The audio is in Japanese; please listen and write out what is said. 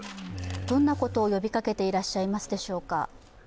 どんなことを呼びかけていらっしゃいますでしょうか？